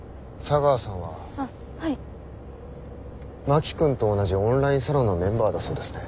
真木君と同じオンラインサロンのメンバーだそうですね。